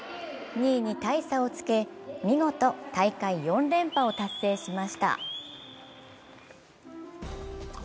２位に大差をつけ見事、大会４連覇を達成しました。